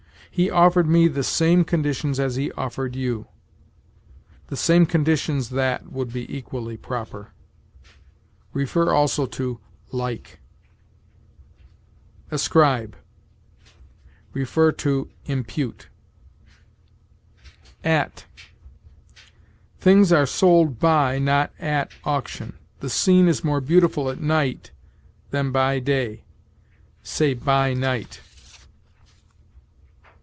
"He offered me the same conditions as he offered you." "The same conditions that" would be equally proper. See, also, LIKE. ASCRIBE. See IMPUTE. AT. Things are sold by, not at, auction. "The scene is more beautiful at night than by day": say, "by night."